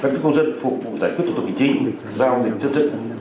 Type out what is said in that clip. công dân phục vụ giải quyết thủ tục hình chính giao dịch chân sự